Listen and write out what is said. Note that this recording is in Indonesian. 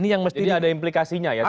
jadi ada implikasinya ya sebenarnya